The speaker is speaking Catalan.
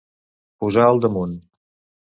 Posar al damunt.